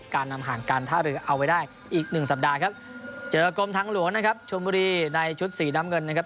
การนำห่างการท่าเรือเอาไว้ได้อีกหนึ่งสัปดาห์ครับเจอกรมทางหลวงนะครับชมบุรีในชุดสีน้ำเงินนะครับ